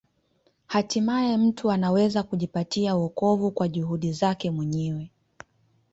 Hatimaye mtu anaweza kujipatia wokovu kwa juhudi zake mwenyewe.